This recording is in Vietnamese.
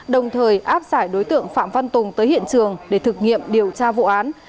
đồng thời áp giải đối tượng phạm văn tùng tới hiện trường để thực nghiệm điều tra vụ án